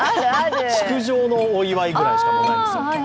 築城のお祝いぐらいしかない。